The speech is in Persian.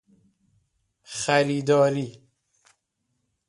خریداری